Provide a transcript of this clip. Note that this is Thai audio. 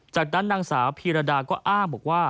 จากนั้นนางสาวพีรดาก็อ้างบอกว่า